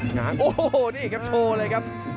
ง้างโอ้โหนี่ครับโชว์เลยครับ